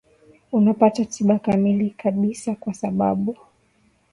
unapata tiba kamili kabisa kwa sababu